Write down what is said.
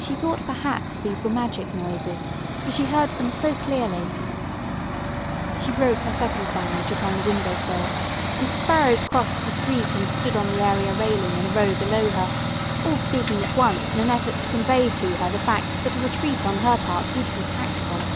She thought perhaps these were magic noises, for she heard them so clearly. She broke her second sandwich upon the window sill, and the sparrows crossed the street and stood on the area railing in a row below her, all speaking at once in an effort to convey to her the fact that a retreat on her part would be tactful.